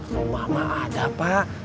rumah mah ada pak